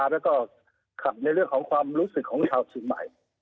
แล้วก็ขับในเรื่องของความรู้สึกของชาวเชียงใหม่